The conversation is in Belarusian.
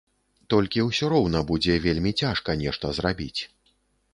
Толькі ўсё роўна будзе вельмі цяжка нешта зрабіць.